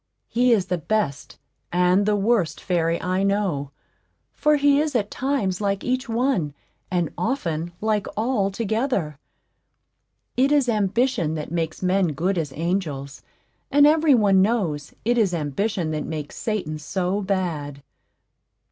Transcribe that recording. He is the best and the worst fairy I know, for he is at times like each one, and often like all together. It is ambition that makes men good as angels; and every one knows it is Ambition that makes Satan so bad.